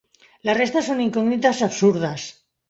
La resta són incògnites absurdes.